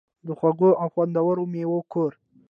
د خوږو او خوندورو میوو کور.